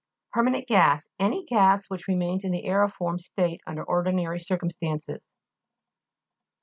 PERMANENT GAS Any gas which remains in the aeriform state under ordinary circumstances.